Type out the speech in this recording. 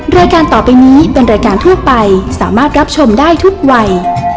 รายการต่อไปนี้เป็นรายการทั่วไปสามารถรับชมได้ทุกวัย